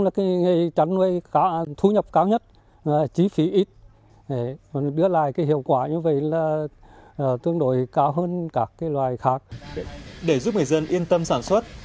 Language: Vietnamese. để giúp người dân yên tâm sản xuất